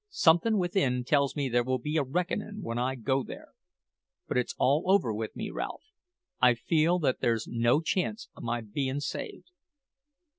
Something within tells me there will be a reckoning when I go there. But it's all over with me, Ralph. I feel that there's no chance o' my bein' saved."